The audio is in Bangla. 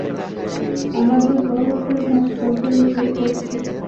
আমাদের বরফের ভাস্কর্যের উপর পড়েছ।